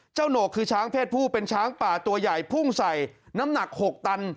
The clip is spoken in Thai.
โหนกคือช้างเพศผู้เป็นช้างป่าตัวใหญ่พุ่งใส่น้ำหนัก๖ตัน